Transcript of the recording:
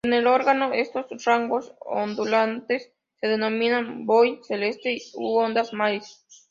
En el órgano estos rangos ondulantes se denominan "voix celeste" u "onda maris".